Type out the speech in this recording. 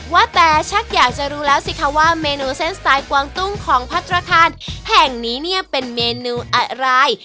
ว่าแต่ชักอยากจะรู้แล้วสิคะว่าเมนูเส้นสไตล์กวางตุ้งของพัฒนาคารแห่งนี้เนี่ยเป็นเมนูอะไร